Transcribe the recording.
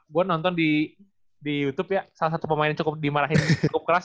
gue nonton di youtube ya salah satu pemain yang cukup dimarahin cukup keras